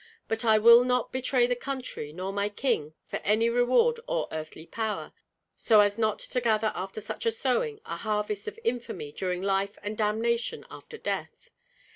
But I will not betray the country nor my king for any reward or earthly power, so as not to gather after such a sowing a harvest of infamy during life and damnation after death.